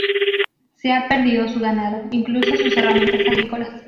Se ha perdido su ganado, incluso sus herramientas agrícolas.